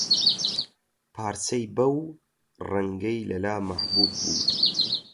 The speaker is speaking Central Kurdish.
پارچەی بەو ڕەنگەی لەلا مەحبووب بوو